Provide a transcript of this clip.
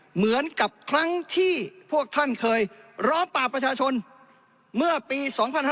เหมือนกับครั้งที่พวกท่านเคยร้องปากประชาชนเมื่อปี๒๕๕๙